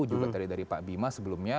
juga tadi dari pak bima sebelumnya